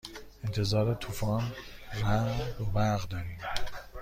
انتظار طوفان رعد و برق داریم.